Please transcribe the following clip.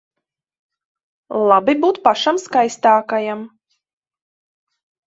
Labi būt pašam skaistākajam.